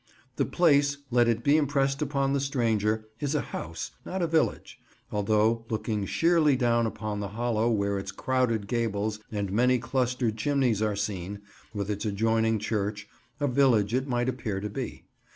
The place, let it be impressed upon the stranger, is a house, not a village; although, looking sheerly down upon the hollow where its crowded gables and many clustered chimneys are seen, with its adjoining church, a village it might appear to be.